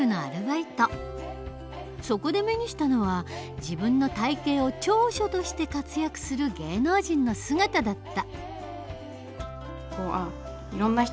そこで目にしたのは自分の体型を長所として活躍する芸能人の姿だった。